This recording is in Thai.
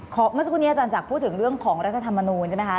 เมื่อสักครู่นี้อาจารย์จากพูดถึงเรื่องของรัฐธรรมนูลใช่ไหมคะ